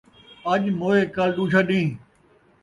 اَڄ موئے کل ݙوجھا ݙین٘ہ